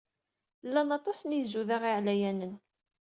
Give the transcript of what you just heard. Llan aṭas n yizudaɣ iɛlayanen.